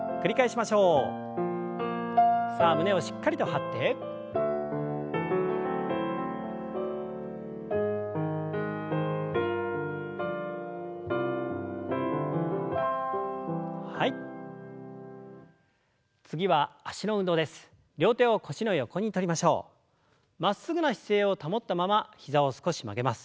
まっすぐな姿勢を保ったまま膝を少し曲げます。